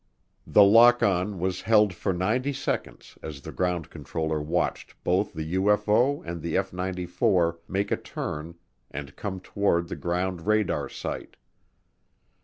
The lock on was held for ninety seconds as the ground controller watched both the UFO and the F 94 make a turn and come toward the ground radar site.